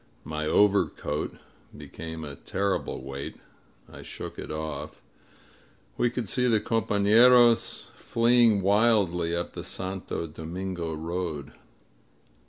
My overcoat became a terrible weight. I shook it off. We could see the compafleros fleeing wildly up the Santo Domingo road.